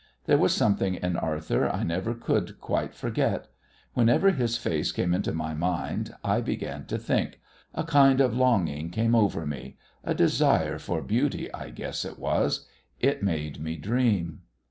There was something in Arthur I never could quite forget. Whenever his face came into my mind I began to think. A kind of longing came over me a desire for Beauty, I guess, it was. It made me dream.